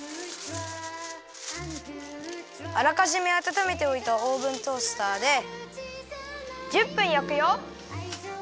あらかじめあたためておいたオーブントースターで１０分焼くよ。